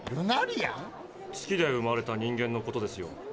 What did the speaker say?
月で生まれた人間のことですよ。